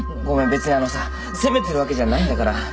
ごめん別にあのさ責めてるわけじゃないんだから。